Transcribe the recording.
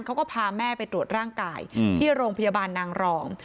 เขาก็พาแม่ไปตรวจร่างกายที่โรงพยาบาลนางรอง